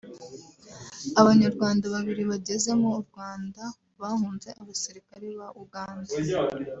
Abanyarwanda babiri bageze mu Rwanda bahunze abasirikare ba Uganda